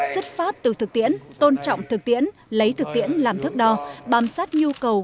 xuất phát từ thực tiễn tôn trọng thực tiễn lấy thực tiễn làm thức đo bám sát nhu cầu